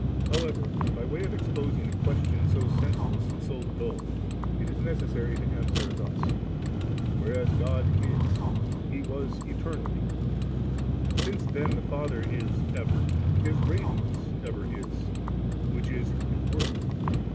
However, by way of exposing a question so senseless and so duU, it is necessary to answer thus :— ^whereas God is, He was eternally ; since then the Father is ever. His Radiance ever is, whidi is His Word.